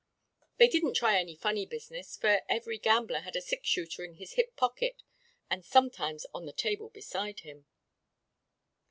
They didn't try any funny business, for every gambler had a six shooter in his hip pocket, and sometimes on the table beside him.